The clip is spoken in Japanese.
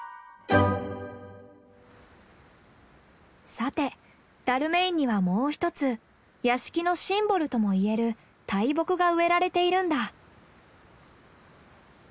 さてダルメインにはもう１つ屋敷のシンボルとも言える大木が植えられているんだ。